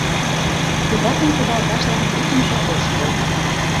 ТИТАКЫМ КУДАЛТАШЛАН ИКЫМШЕ ОШКЫЛ